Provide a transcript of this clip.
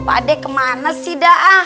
pak d kemana sih daaah